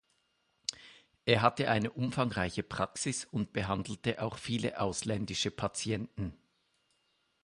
Er hatte eine umfangreiche Praxis und behandelte auch viele ausländische Patienten.